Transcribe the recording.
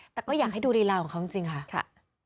แต่ก็อยากให้ดูรีลาของเขาจริงค่ะ